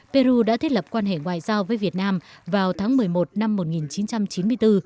peru đã thiết lập quan hệ ngoại giao với việt nam vào tháng một mươi một năm một nghìn chín trăm chín mươi bốn